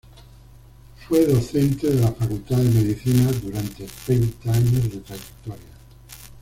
Fue docente de la Facultad de Medicina durante treinta años de trayectoria.